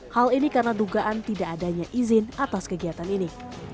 hal ini karena dugaan tidak adanya izin atas kegiatan ini